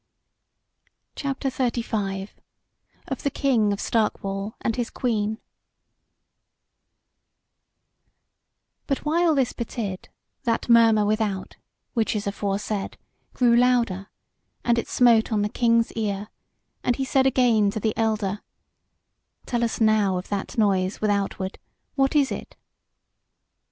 CHAPTER XXXV: OF THE KING OF STARK WALL AND HIS QUEEN But while this betid, that murmur without, which is aforesaid, grew louder; and it smote on the King's ear, and he said again to the elder: "Tell us now of that noise withoutward, what is it?"